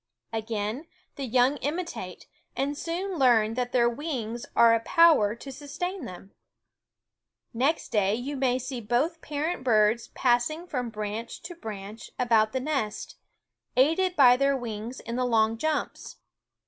Again the young imitate, and soon learn that their wings are a power to sustain them. Next day you may see both parent birds passing from branch to branch about the nest, aided by their wings in the long jumps.